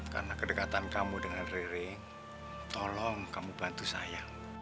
karena kedekatan kamu dengan rere tolong kamu bantu saya